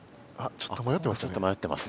ちょっとまよってますね。